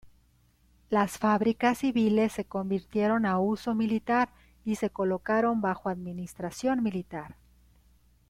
Las fábricas civiles se convirtieron a uso militar y se colocaron bajo administración militar.